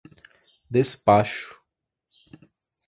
despacho